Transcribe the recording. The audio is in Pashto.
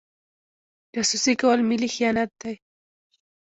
جاسوسي کول ملي خیانت دی.